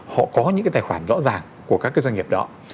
họ có những cái tài khoản rõ ràng của các cái doanh nghiệp đó